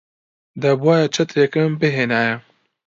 دەبوایە چەترێکم بهێنایە.